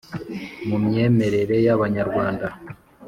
Mu myemerere y’Abanyarwanda,